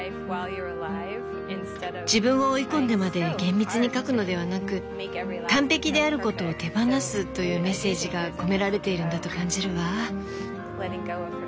自分を追い込んでまで厳密に描くのではなく完璧であることを手放すというメッセージが込められているんだと感じるわ。